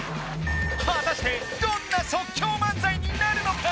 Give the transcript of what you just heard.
果たしてどんな即興漫才になるのか？